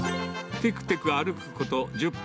てくてく歩くこと１０分。